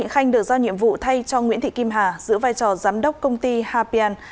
khanh được giao nhiệm vụ thay cho nguyễn thị kim hà giữ vai trò giám đốc công ty hapian